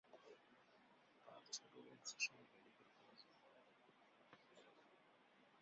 তার ছোট বোন রাজশাহী মেডিকেল কলেজে পড়ে।